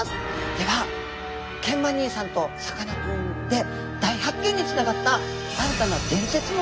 ではケンマ兄さんとさかなクンで大発見につながった新たな伝説物語をお話しさせていただきます。